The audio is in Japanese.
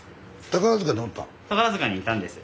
宝塚にいたんです。